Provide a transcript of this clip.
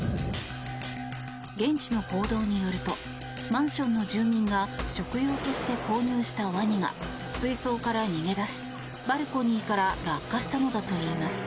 現地の報道によるとマンションの住民が食用として購入したワニが水槽から逃げ出しバルコニーから落下したのだといいます。